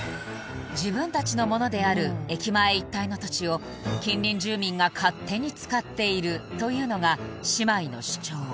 自分たちのものである駅前一帯の土地を近隣住民が勝手に使っているというのが姉妹の主張